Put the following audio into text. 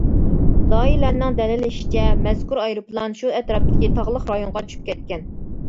دائىرىلەرنىڭ دەلىللىشىچە مەزكۇر ئايروپىلان شۇ ئەتراپتىكى تاغلىق رايونغا چۈشۈپ كەتكەن.